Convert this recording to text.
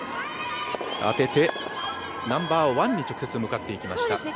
当てて、ナンバーワンに直接向かっていきました。